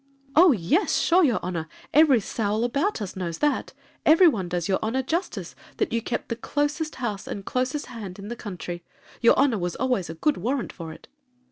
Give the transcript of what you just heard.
'Oh yes, sure, your honor; every sowl about us knows that,—every one does your honor justice, that you kept the closest house and closest hand in the country,—your honor was always a good warrant for it.'